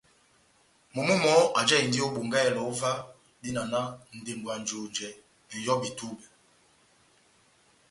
Momó mɔhɔ́ ajáhindi ó Bongáhɛlɛ óvah, dína náh ndembwɛ ya njonjɛ, ŋ’hɔ́bi túbɛ́.